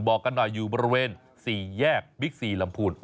บอกกันหน่อยอยู่บริเวณ๔แยกบิ๊กซีลำพูน